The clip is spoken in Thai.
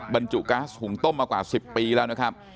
บรรจุก๊าซหุงต้มมากว่า๑๐ปีแล้วนะครับ